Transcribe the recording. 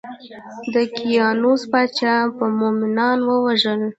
د دقیانوس پاچا به مومنان وژل.